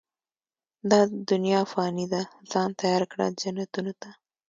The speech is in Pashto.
دا دنيا فاني ده، ځان تيار کړه، جنتونو ته